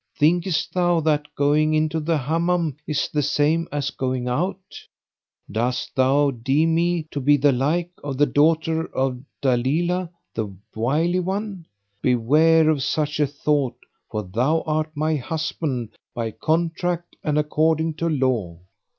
thinkest thou that going into the Hammam is the same as going out?[FN#534] Dost thou deem me to be the like of the daughter of Dalilah the Wily One? Beware of such a thought, for thou art my husband by contract and according to law.